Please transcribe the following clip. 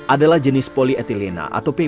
adalah jenis polietilena atau pp